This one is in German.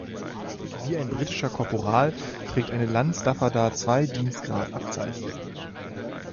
Wie ein britischer Korporal trägt eine Lanz-Daffadar zwei Dienstgradabzeichen.